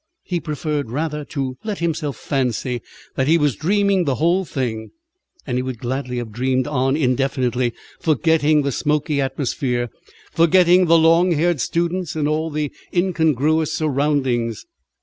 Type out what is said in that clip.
He preferred rather to let himself fancy that he was dreaming the whole thing; and he would gladly have dreamed on indefinitely, forgetting the smoky atmosphere, forgetting the long haired students and all the incongruous surroundings.